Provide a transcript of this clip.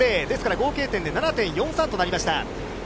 合計点で７．４３となりました。